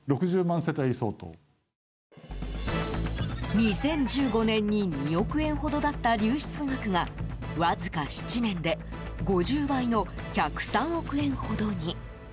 ２０１５年に２億円ほどだった流出額がわずか７年で５０倍の１０３億円ほどに。